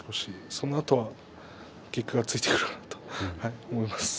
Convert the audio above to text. そのあとは結果がついてくると思います。